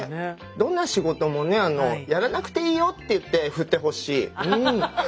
どんな仕事もねやらなくていいよって言って振ってほしい。